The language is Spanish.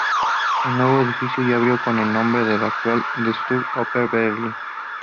El nuevo edificio ya abrió con el nombre actual de "Deutsche Oper Berlin".